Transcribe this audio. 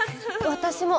私も。